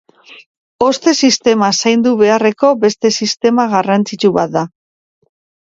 Hozte sistema zaindu beharreko beste sistema garrantzitsu bat da.